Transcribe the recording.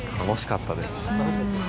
楽しかったです。